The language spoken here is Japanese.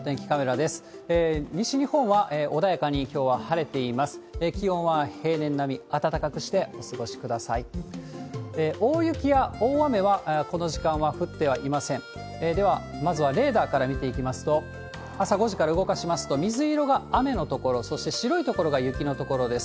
では、まずはレーダーから見ていきますと、朝５時から動かしますと、水色が雨の所、そして白い所が雪の所です。